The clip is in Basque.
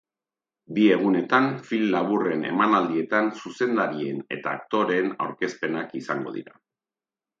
Bi egunetan, film laburren emanaldietan zuzendarien eta aktoreen aurkezpenak izango dira.